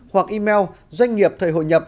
hoặc email doanh nghiệp thời hội nhập